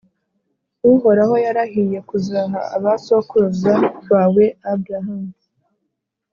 uhoraho yarahiye kuzaha abasokuruza bawe abrahamu